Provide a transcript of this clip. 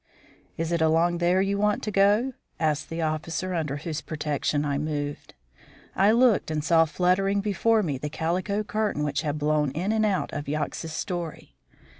"Is it along there you want to go?" asked the officer under whose protection I moved. I looked, and saw fluttering before me the calico curtain which had blown in and out of Yox's story.